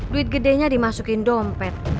duit gedenya dimasukin dompet